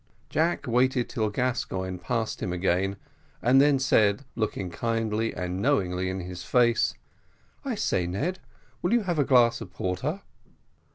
Jack waited till Gascoigne passed him again, and then said, looking kindly and knowingly in his face: "I say, Ned, will you have a glass of porter?"